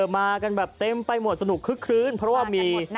มากันแบบเต็มไปหมดสนุกคึกคลื้นเพราะว่ามี